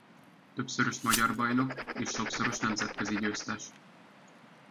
Többszörös magyar bajnok és sokszoros nemzetközi győztes.